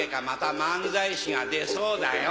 漫才師が出そうだよ。